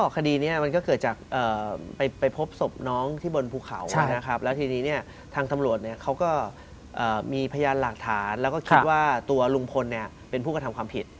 คดีนี้ก็เกิดไปพบศพน้องที่บนภูเขานะครับทางธรรมรวชมีพยานหลักฐานรู้ถึงลุงพลเป็นผู้กำทำความผิด